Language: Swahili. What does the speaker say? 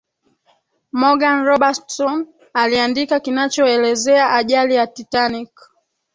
morgan robertson aliandika kinachoelezea ajali ya titanic